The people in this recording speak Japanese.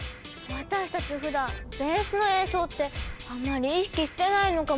私たちふだんベースの演奏ってあんまり意識してないのかも。